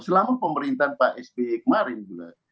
selama pemerintahan pak sp kemarin juga